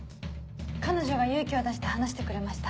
彼女が勇気を出して話してくれました。